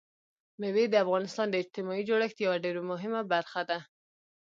مېوې د افغانستان د اجتماعي جوړښت یوه ډېره مهمه برخه ده.